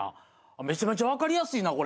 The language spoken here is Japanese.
めちゃめちゃわかりやすいなこれ。